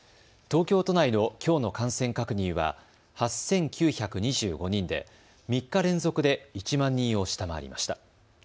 東京都内のきょうの感染確認は８９２５人で３日連続で１万人を下回りました。